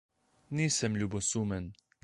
Nisem ljubosumen.